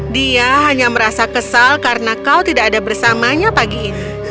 dia hanya merasa kesal karena kau tidak ada bersamanya pagi ini